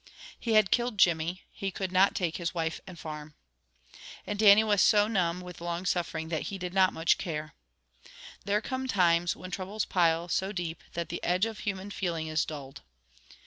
He had killed Jimmy; he could not take his wife and his farm. And Dannie was so numb with long suffering, that he did not much care. There come times when troubles pile so deep that the edge of human feeling is dulled.